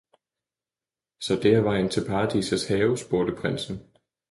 Så, det er vejen til Paradisets have? spurgte prinsen.